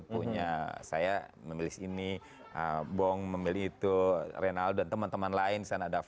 punya saya memilih sini bong memilih itu renal dan teman teman lain